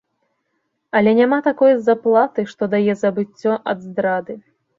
Але няма такой заплаты, што дае забыццё ад здрады.